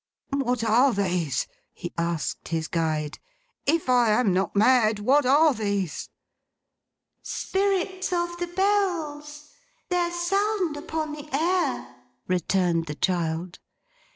'What are these?' he asked his guide. 'If I am not mad, what are these?' 'Spirits of the Bells. Their sound upon the air,' returned the child.